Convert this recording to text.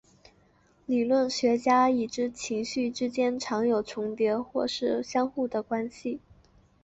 理论学家已知情绪之间常有重叠或是相互关系。